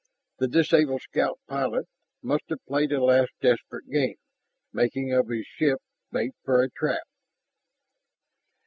The disabled scout pilot must have played a last desperate game, making of his ship bait for a trap.